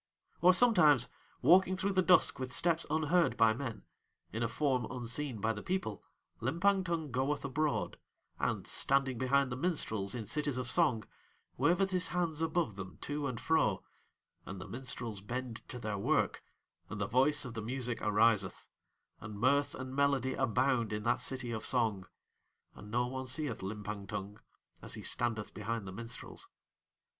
Or sometimes walking through the dusk with steps unheard by men, in a form unseen by the people, Limpang Tung goeth abroad, and, standing behind the minstrels in cities of song, waveth his hands above them to and fro, and the minstrels bend to their work, and the voice of the music ariseth; and mirth and melody abound in that city of song, and no one seeth Limpang Tung as he standeth behind the minstrels.